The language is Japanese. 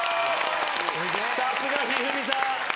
さすが一二三さん！